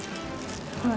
はい。